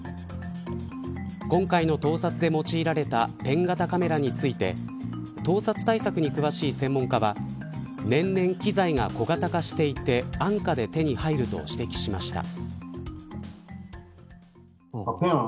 今回の盗撮で用いられたペン型カメラについて盗撮対策に詳しい専門家は年々機材が小型化していて安価で手に入ると指摘しました。